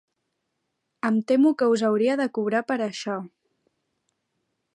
Em temo que us hauria de cobrar per això.